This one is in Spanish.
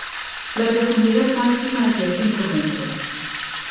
La profundidad máxima es de cinco metros.